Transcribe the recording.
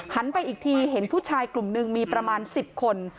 ไปอีกทีเห็นผู้ชายกลุ่มหนึ่งมีประมาณ๑๐คน